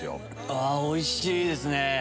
あっおいしいですね！